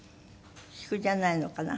菊じゃないのかな？